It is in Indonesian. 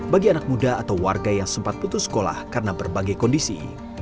bagi anak muda atau warga yang sempat putus sekolah karena berbagai kondisi